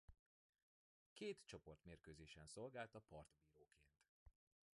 Két csoportmérkőzésen szolgálta partbíróként.